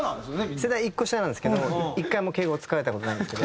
世代１個下なんですけど１回も敬語を使われた事ないんですけど。